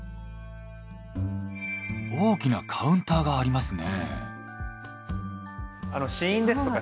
大きなカウンターがありますね。